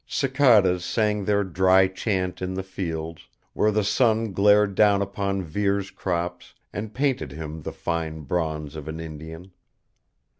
Cicadas sang their dry chant in the fields, where the sun glared down upon Vere's crops and painted him the fine bronze of an Indian.